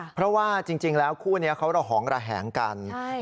เพราะว่าจริงแล้วคู่นี้เขาระหองระแหงกัน